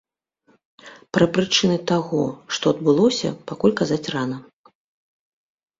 Пра прычыны таго, што адбылося, пакуль казаць рана.